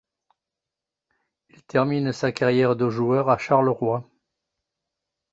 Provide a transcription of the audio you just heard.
Il termine sa carrière de joueur à Charleroi.